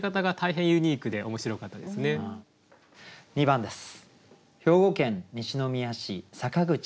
２番です。